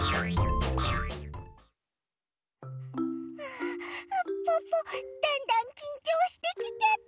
あポッポだんだんきんちょうしてきちゃった。